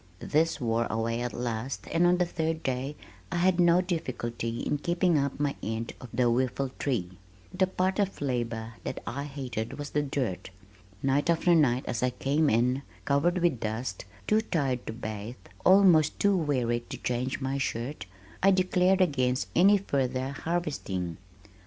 This wore away at last and on the third day I had no difficulty in keeping up my end of the whiffletree. The part of labor that I hated was the dirt. Night after night as I came in covered with dust, too tired to bathe, almost too weary to change my shirt, I declared against any further harvesting.